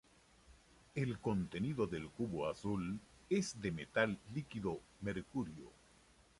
El contenido del cubo azul es de metal líquido mercurio.